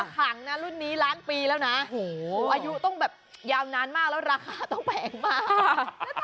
ขังนะรุ่นนี้ล้านปีแล้วนะอายุต้องแบบยาวนานมากแล้วราคาต้องแพงมาก